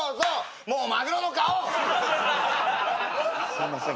すいません。